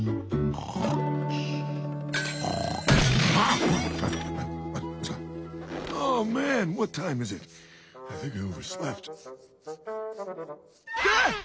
あっ！